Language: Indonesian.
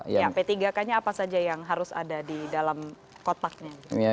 iya p tiga k nya apa saja yang harus ada di dalam kotaknya